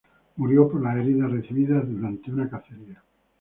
Murió por las heridas recibidas durante una cacería.